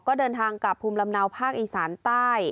ก็เดินทางกลับภูมิลำเนาภาคอีสานใต้